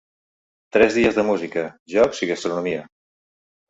Tres dies de música, jocs i gastronomia.